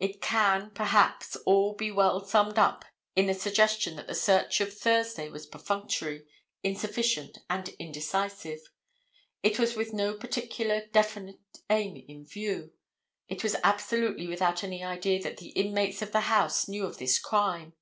It can, perhaps, all be well summed up in the suggestion that the search of Thursday was perfunctory, insufficient and indecisive. It was with no particular definite aim in view. It was absolutely without any idea that the inmates of the house knew of this crime.